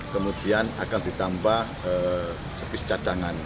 kemudian akan ditambah sepis cadangan